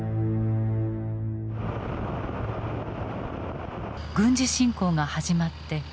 軍事侵攻が始まって１年。